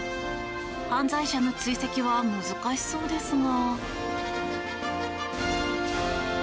犯罪者の追跡は難しそうですが。